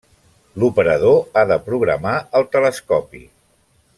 L'operador ha de programar el telescopi.